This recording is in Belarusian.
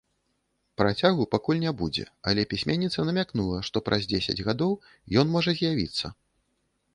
Працягу пакуль не будзе, але пісьменніца намякнула, што праз дзесяць гадоў ён можа з'явіцца.